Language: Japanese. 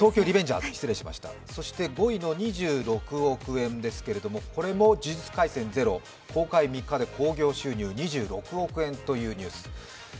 そして５位の２６億円ですけど、これも「呪術廻戦０」、公開３日で興行収入２６億円というニュース。